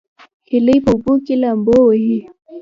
هیلۍ په اوبو کې لامبو وهي